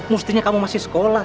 mestinya kamu masih sekolah